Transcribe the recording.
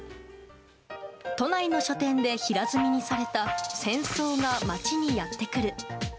都内の書店で平積みにされた「戦争が町にやってくる」。